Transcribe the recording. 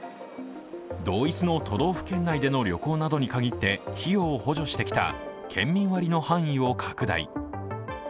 同一の都道府県内での旅行などに限って費用を補助してきた県民割の範囲を拡大。